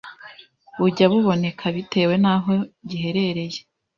bujya buboneka bitewe n’aho giherereye